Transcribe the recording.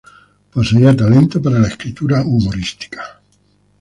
Poseía talento para la escritura humorística.